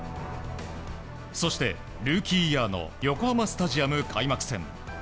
そして、ルーキーイヤーの横浜スタジアム開幕戦。